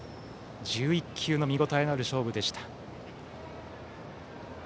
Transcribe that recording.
１１球の見応えある勝負でした。